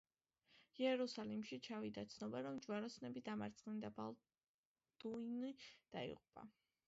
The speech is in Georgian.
იერუსალიმში ჩავიდა ცნობა, რომ ჯვაროსნები დამარცხდნენ და ბალდუინი დაიღუპა.